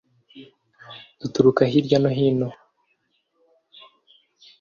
duturuka hirya no hino